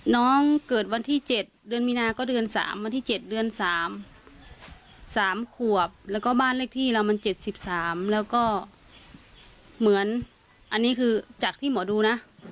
น้องเกิดวันที่เจ็ดเดือนมีนาก็เดือนสามวันที่เจ็ดเดือนสามสามขวบแล้วก็บ้านเลขที่เรามันเจ็ดสิบสามแล้วก็เหมือนอันนี้คือจากที่หมอดูนะ